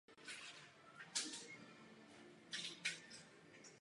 Navzdory tomu je možné klást otázky.